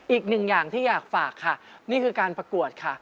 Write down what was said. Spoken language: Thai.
อีกหนึ่งอย่างที่อยากฝากค่ะนี่คือการประกวดค่ะ